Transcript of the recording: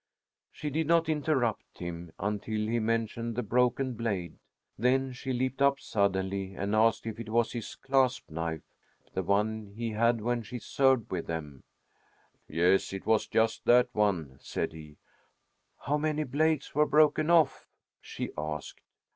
She did not interrupt him until he mentioned the broken blade. Then she leaped up suddenly and asked if it was his clasp knife, the one he had when she served with them. "Yes, it was just that one," said he. "How many blades were broken off?" she asked.